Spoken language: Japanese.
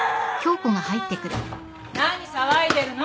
何騒いでるの？